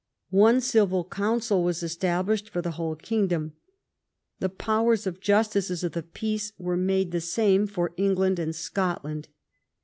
One civil council was established for the whole king dom. The powers of justices of the peace were made the same for England and Scotland.